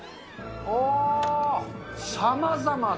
おー、さまざまだ。